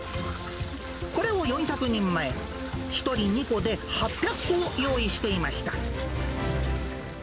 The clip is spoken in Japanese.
これを４００人前、１人２個で８００個を用意していました。